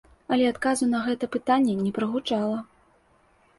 Але адказу на гэта пытанне не прагучала.